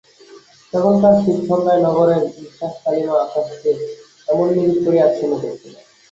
তখনকার শীতসন্ধ্যায় নগরের নিশ্বাসকালিমা আকাশকে এমন নিবিড় করিয়া আচ্ছন্ন করিত না।